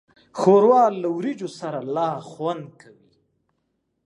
ښوروا له وریجو سره لا خوند کوي.